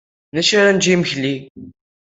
D acu ara nečč i imekli?